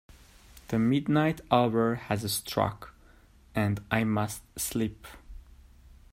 The midnight hour has struck, and I must sleep.